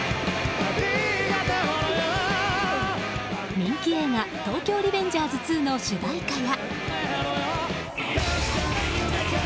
人気映画「東京リベンジャーズ２」の主題歌や。